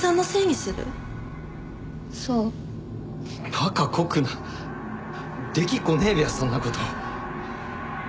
馬鹿こくな。できっこねえべやそんな事。